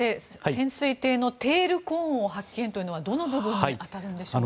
潜水艇のテールコーンを発見というのはどの部分に当たるんでしょうか。